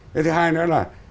cái thứ hai nữa là